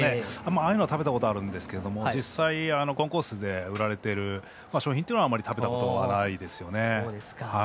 ああいうのは食べたことあるんですけどコンコースで売られている商品は食べたことがないですね。